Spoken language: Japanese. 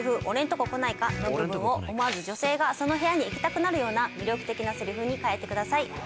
「俺んとここないか？」の部分を思わず女性がその部屋に行きたくなるような魅力的なセリフに変えてください。